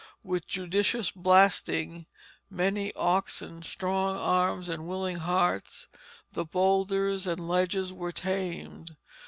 With judicious blasting, many oxen, strong arms, and willing hearts the boulders and ledges were tamed.